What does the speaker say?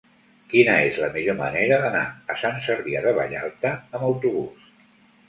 Quina és la millor manera d'anar a Sant Cebrià de Vallalta amb autobús?